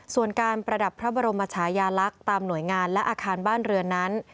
ส่วนการประดับพระบรมชายาลักษณ์ตามหน่วยงานและอาคารบ้านเรือนนั้น